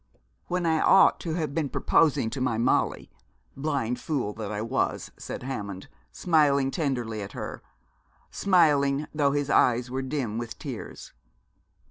'When I ought to have been proposing to my Molly, blind fool that I was,' said Hammond, smiling tenderly at her, smiling, though his eyes were dim with tears.